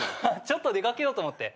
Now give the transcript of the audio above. ちょっと出掛けようと思って。